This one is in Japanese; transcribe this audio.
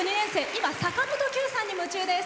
今、坂本九さんに夢中です。